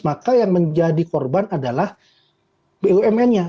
maka yang menjadi korban adalah bumn nya